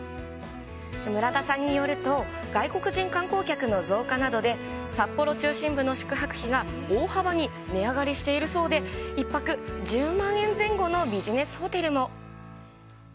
村田さんによると、外国人観光客の増加などで、札幌中心部の宿泊費が大幅に値上がりしているそうで、１泊１０万円前後のビジネスホテルも。